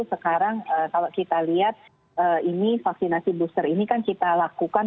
sekarang kalau kita lihat ini vaksinasi booster ini kan kita lakukan